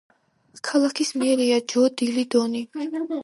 ქალაქის მერია ჯო დილი დონი.